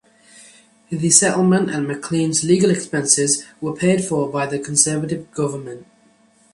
The settlement and McLean's legal expenses were paid for by the Conservative government.